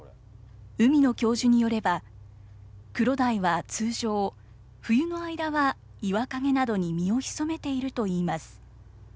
海野教授によれば、クロダイは通常、冬の間は岩陰などに身を潜めているといいます。